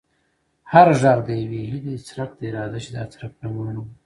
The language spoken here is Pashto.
هر غږ د یوې هیلې څرک دی، راځه چې دا څرک نه مړوو.